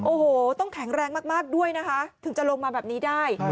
โอ้โหต้องแข็งแรงมากด้วยนะคะถึงจะลงมาแบบนี้ได้